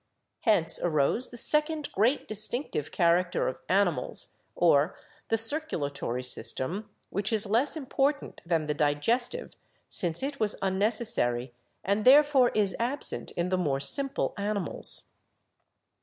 Hence arose the second great distinctive character of animals, or the circulatory system, which is less important than the digestive, since it was unnecessary, and therefore is absent, in the more simple animals.